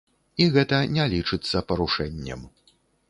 І гэта не лічыцца парушэннем.